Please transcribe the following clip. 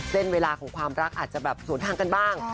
เวลาของความรักอาจจะแบบสวนทางกันบ้าง